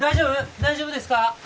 大丈夫ですか？